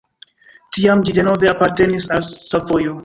Tiam ĝi denove apartenis al Savojo.